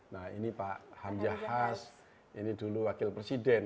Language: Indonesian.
nah ini pak hamzah has ini dulu wakil presiden